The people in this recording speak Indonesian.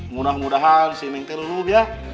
mudah mudahan si neng itu lelup ya